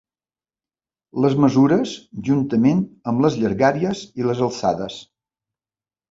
Les mesures juntament amb les llargàries i les alçades.